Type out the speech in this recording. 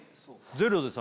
ゼロです